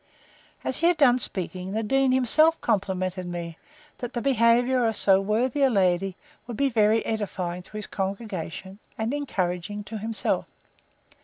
As he had done speaking, the dean himself complimented me, that the behaviour of so worthy a lady, would be very edifying to his congregation, and encouraging to himself.